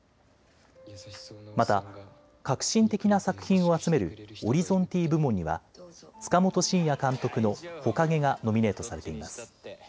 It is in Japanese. また、革新的な作品を集めるオリゾンティ部門には塚本晋也監督のほかげがノミネートされています。